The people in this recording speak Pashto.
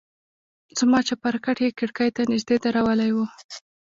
زما چپرکټ يې کړکۍ ته نژدې درولى و.